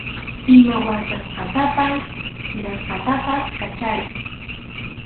Ima watasqatapas sirasqatapas kachariy.